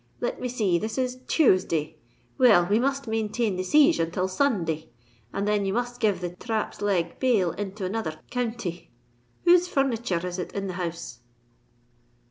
"Let me see?—this is Thuesday. Well, we must maintain the siege until Sunday; and then you must give the traps leg bail into another counthy. Whose furnitur r is it in the house?"